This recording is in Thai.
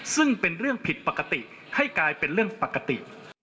ซึ่งเป็นเรื่องผิดปกติให้กลายเป็นเรื่องปกติ